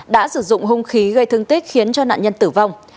đã sử dụng hung khí gây thương tích khiến cho nạn nhân tử vong